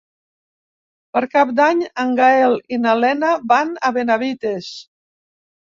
Per Cap d'Any en Gaël i na Lena van a Benavites.